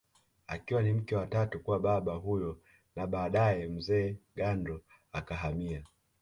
Akiwa ni mke wa tatu kwa baba huyo na badae mzee Gandla akahamia